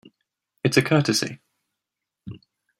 It's a courtesy.